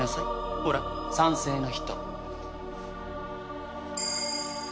ほら賛成の人。